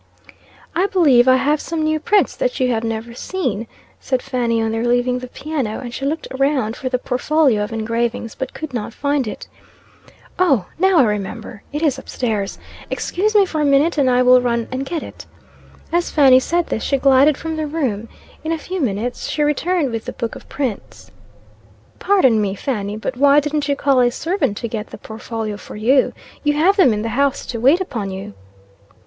"I believe I have some new prints that you have never seen," said Fanny on their leaving the piano, and she looked around for the portfolio of engravings, but could not find it. "Oh! now I remember it is up stairs. Excuse me for a minute and I will run and get it." As Fanny said this, she glided from the room. In a few minutes she returned with the book of prints. "Pardon me, Fanny but why didn't you call a servant to get the port folio for you? You have them in the house to wait upon you."